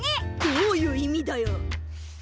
どういういみだよ！